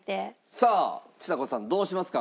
さあちさ子さんどうしますか？